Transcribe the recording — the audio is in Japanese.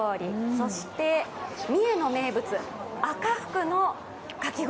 そして、三重の名物赤福のかき氷。